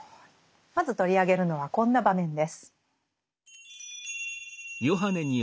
まず取り上げるのはこんな場面です。